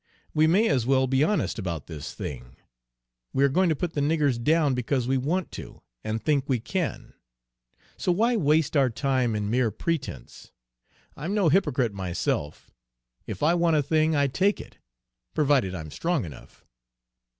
We may as well be honest about this thing. We are going to put the niggers down because we want to, and think we can; so why waste our time in mere pretense? I'm no hypocrite myself, if I want a thing I take it, provided I'm strong enough."